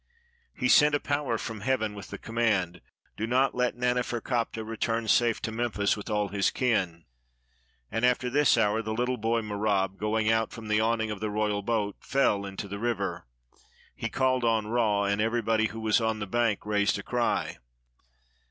He sent a power from heaven with the command, "Do not let Naneferkaptah return safe to Memphis with all his kin." And after this hour, the Httle boy Merab, going out from the awning of the royal boat, fell into the river : he called on Ra, and everybody who was on the bank raised a cry.